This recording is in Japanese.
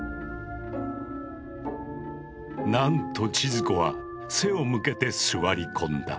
なんと千鶴子は背を向けて座り込んだ。